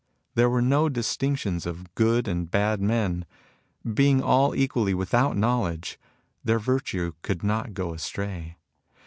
There were no dis tinctions of good and bad men. Being all equally without knowledge, their virtue could not go astray.